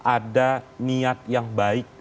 ada niat yang baik